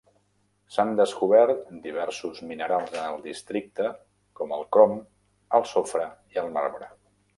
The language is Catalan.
S'han descobert diversos minerals en el districte com el crom, el sofre i el marbre.